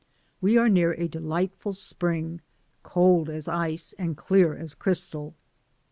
We are near a delightful spring, cold as ice, and clear as crystal.